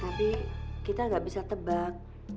tapi kita nggak bisa tebak